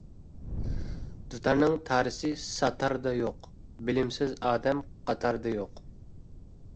دۇتارنىڭ تارىسى ساتاردا يوق، بىلىمسىز ئادەم قاتاردا يوق.